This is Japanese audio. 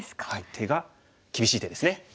手が厳しい手ですね。